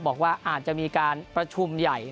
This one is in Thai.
บอกว่าอาจจะมีการประชุมใหญ่